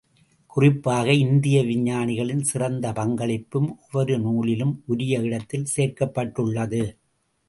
குறிப்பாக, இந்திய விஞ்ஞானிகளின் சிறந்த பங்களிப்பும் ஒவ்வொரு நூலிலும் உரிய இடத்தில் சேர்க்கப்பட்டுள்ளது.